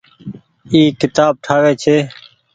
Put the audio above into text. اي ڪيتآب ٺآوي ڇي۔